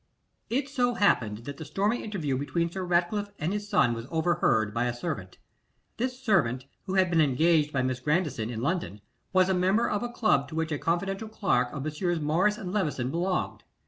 It so happened that the stormy interview between Sir Ratcliffe and his son was overheard by a servant. This servant, who had been engaged by Miss Grandison in London, was a member of a club to which a confidential clerk of Messrs. Morris and Levison belonged.